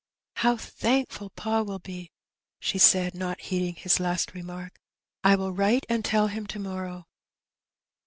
'^" How thankful pa will be !" she said, not heeding his last remark. '^I will write and tell him to morrow."